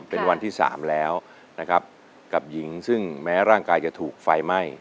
เป็นวันที่สามแล้วนะครับกับหญิงซึ่งแม้ร่างกายจะถูกไฟไหม้